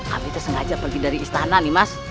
kami tersengaja pergi dari istana nimas